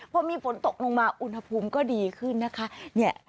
พอมีฝนตกลงมาอุณหภูมิก็ดีขึ้นนะคะ